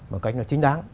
một cách nó chính đáng